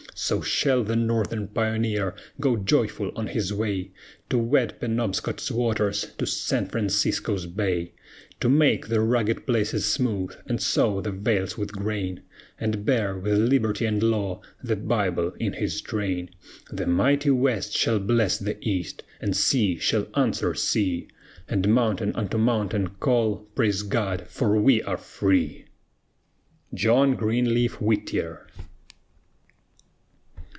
So shall the Northern pioneer go joyful on his way; To wed Penobscot's waters to San Francisco's bay, To make the rugged places smooth, and sow the vales with grain; And bear, with Liberty and Law, the Bible in his train: The mighty West shall bless the East, and sea shall answer sea, And mountain unto mountain call, Praise God, for we are free! JOHN GREENLEAF WHITTIER.